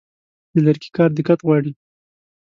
د لرګي کار دقت غواړي.